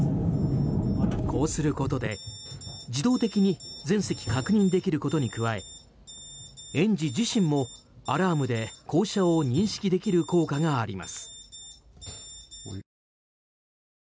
こうすることで、自動的に全席確認できることに加え園児自身もアラームで降車を認識できる効果があります。